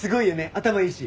頭いいし。